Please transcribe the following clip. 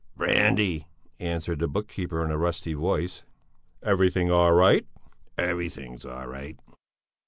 "Brandy," answered the book keeper in a rusty voice. "Everything all right?" "Everything all right."